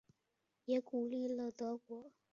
也鼓励了德国移民以及德语的传播。